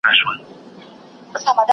د کور او کار د ژوند بیلول مهم دي.